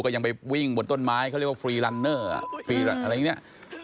ยังไปวิ่งบนต้นไม้เขาเรียกว่าฟรีลันเนอร์ฟรีอะไรอย่างนี้